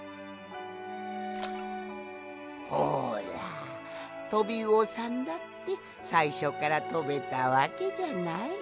ほらトビウオさんだってさいしょからとべたわけじゃない。